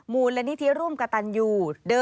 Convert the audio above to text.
มูลละนิทีร่วมกับตันยู